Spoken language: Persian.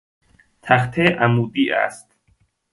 تخته عمودی است.